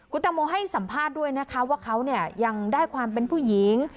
คุณตังโมให้สัมภาษณ์ด้วยนะคะว่าเขาเนี่ยยังได้ความเป็นผู้หญิง